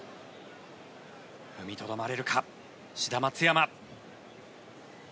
踏みとどまれるか志田・松山。